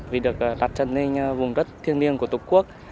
vì được đặt chân lên vùng đất thiên niên của tổ quốc